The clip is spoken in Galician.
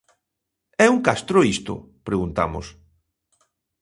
"É un castro isto?", preguntamos.